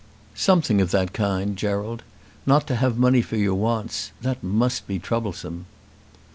"Something of that kind, Gerald. Not to have money for your wants; that must be troublesome."